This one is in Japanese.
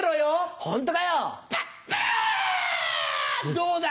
どうだ！